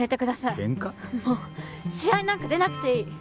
もう試合なんか出なくていい！